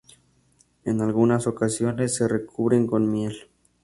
En algunas ocasiones se recubren con miel.